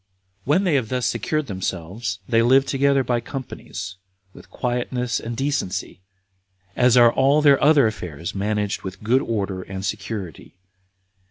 3. When they have thus secured themselves, they live together by companies, with quietness and decency, as are all their other affairs managed with good order and security.